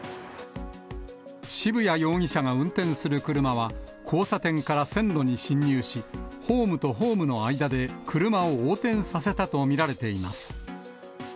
渋谷容疑者が運転する車は、交差点から線路に進入し、ホームとホームの間で車を横転させたと見られています。